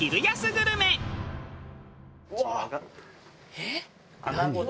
えっ？